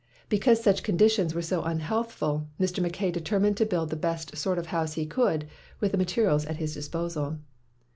Because such conditions were so unhealthful, Mr. Mackay determined to build the best sort of house he could with the materials at his disposal.